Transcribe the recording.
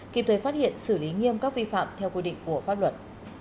kịp thời phát hiện xử lý nghiêm các vi phạm theo quy định của pháp luật